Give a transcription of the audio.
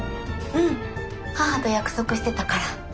うん母と約束してたから。